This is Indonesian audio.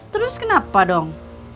terus kenapa dong